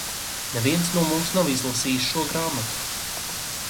Neviens no mums nav izlasījis šo grāmatu.